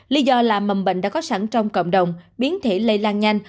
lý do là mầm bệnh đã có sẵn trong cộng đồng biến thể lây lan nhanh